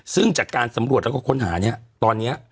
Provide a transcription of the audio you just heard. ซึ่งจากการสำรวจแล้วก็ค้นหาเนี่ยตอนนี้